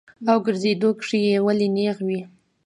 او ګرځېدو کښې ئې ولي نېغ وي -